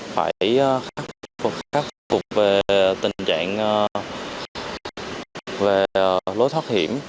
phải khắc phục về tình trạng lối thoát hiểm